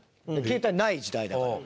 携帯ない時代だから。